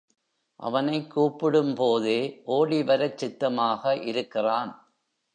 அவனைக் கூப்பிடும் போதே ஓடிவரச் சித்தமாக இருக்கிறான்.